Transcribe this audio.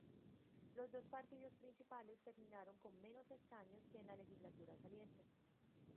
Los dos partidos principales terminaron con menos escaños que en la legislatura saliente.